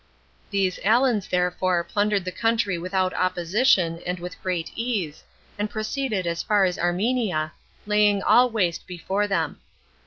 These Alans therefore plundered the country without opposition, and with great ease, and proceeded as far as Armenia, laying all waste before them.